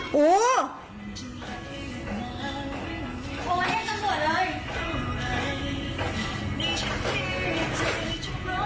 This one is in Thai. พี่มันมีฟื้นอู๋